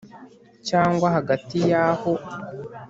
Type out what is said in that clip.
cyangwa hagati ya aho